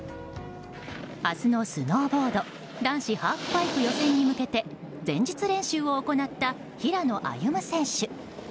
明日のスノーボード男子ハーフパイプ予選に向けて前日練習を行った平野歩夢選手。